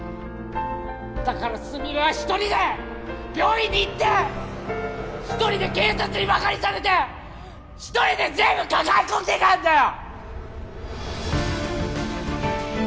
だからすみれはひとりで病院に行ってひとりで警察にバカにされてひとりで全部抱え込んでたんだよ！